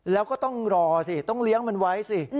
แล้วก็ต้องรอสิต้องเลี้ยงมันไว้สิ